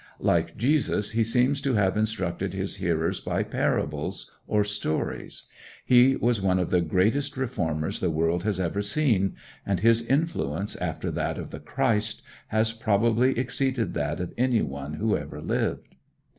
Like Jesus, he seems to have instructed his hearers by parables or stories. He was one of the greatest reformers the world has ever seen; and his influence, after that of the Christ, has probably exceeded that of any one who ever lived.